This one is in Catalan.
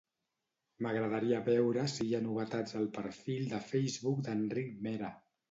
M'agradaria veure si hi ha novetats al perfil de Facebook d'Enric Mera.